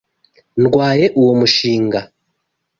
Ndwanya uwo mushinga.